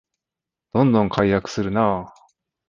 どんどん改悪するなあ